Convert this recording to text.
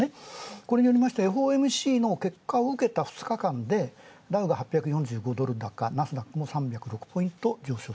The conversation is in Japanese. これによりましてＦＯＭＣの結果を受けた２日間で８４６ドル高、中国、ナスダックも３０６ポイント上昇。